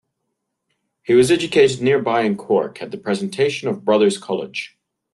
He was educated nearby in Cork at the Presentation Brothers College.